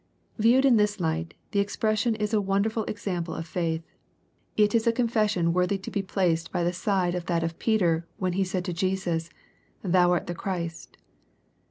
Viewed in this light, the expression is a wonderful example of faith. It is a confession worthy to be placed by the side of that of Peter, when he said to Jesus, " Thou art the Christ."